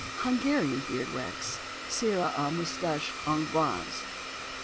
HUNGARIAN BEARD WAX (CIRE À MOUSTACHE HONGROISE.)